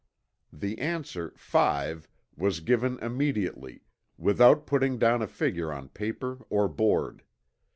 The answer, "5" was given immediately, without putting down a figure on paper or board.